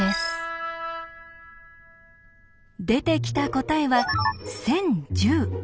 出てきた答えは１０１０。